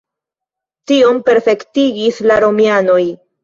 Tion perfektigis la romianoj.